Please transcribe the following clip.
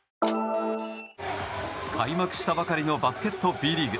開幕したばかりのバスケットＢリーグ。